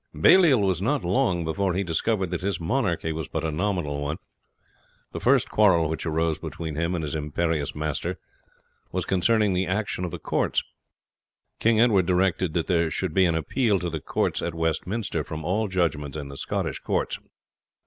Baliol was not long before he discovered that his monarchy was but a nominal one. The first quarrel which arose between him and his imperious master was concerning the action of the courts. King Edward directed that there should be an appeal to the courts at Westminster from all judgments in the Scottish courts.